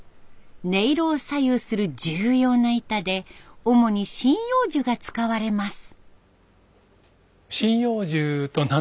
音色を左右する重要な板で主に針葉樹が使われます。